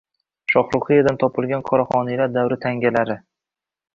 “Shohruxiya”dan topilgan qoraxoniylar davri tangalari